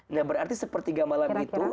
nah berarti sepertiga malam itu